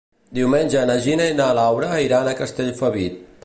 Diumenge na Gina i na Laura iran a Castellfabib.